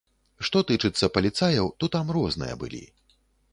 Што тычыцца паліцаяў, то там розныя былі.